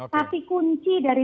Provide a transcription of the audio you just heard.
tapi kunci dari